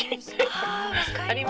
「あ分かります」。